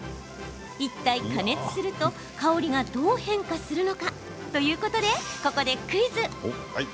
いったい、加熱すると香りがどう変化するのか？ということで、ここでクイズ！